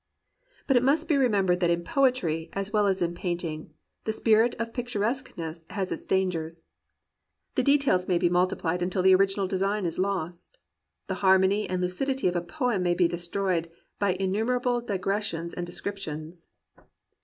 But it must be remembered that in poetry, as well as in painting, the spirit of picturesqueness has its dangers. The details may be multipHed until the original design is lost. The harmony and lucidity of a poem may be destroyed by innumer able digressions and descriptions.